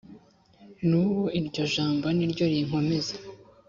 nubu iryo jambo niryo rinkomeza